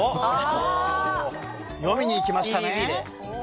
読みにいきましたね。